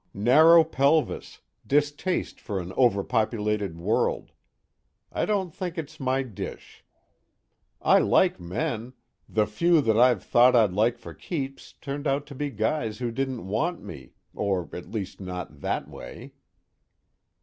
"Narrow pelvis, distaste for an overpopulated world. I don't think it's my dish. I like men. The few that I've thought I'd like for keeps turned out to be guys who didn't want me, or at least not that way...."